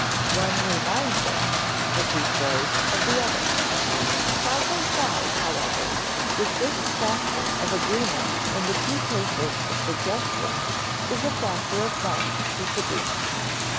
One reminds us, as we say, of the other. Side by side, however, with this factor of agreement in the two cases of suggestion is a factor of marked disagreement.